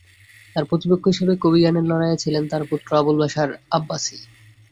তার প্রতিপক্ষ হিসেবে কবিগানের লড়াইয়ে ছিলেন তার পুত্র আবুল বাশার আব্বাসী।